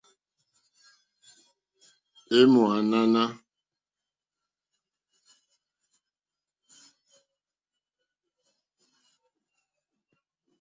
È mò ànànà.